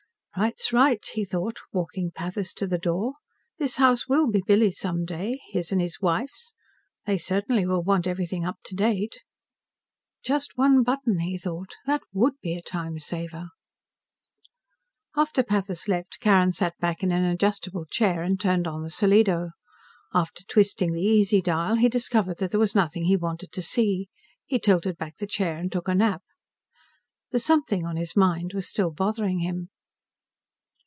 Right's right, he thought, walking Pathis to the door. This house will be Billy's some day. His and his wife's. They certainly will want everything up to date. Just one button, he thought. That would be a time saver! After Pathis left, Carrin sat back in an adjustable chair and turned on the solido. After twisting the Ezi dial, he discovered that there was nothing he wanted to see. He tilted back the chair and took a nap. The something on his mind was still bothering him.